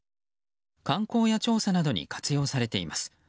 観光や調査などに活用されています。